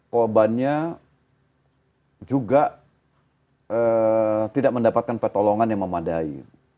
korbannya juga tidak mendapatkan pertolongan yang memadai